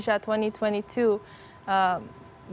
saya bisa mencapai